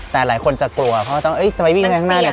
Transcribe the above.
แต่หลายคนจะกลัวเพราะว่าจะไปวิ่งไปข้างหน้าเนี่ย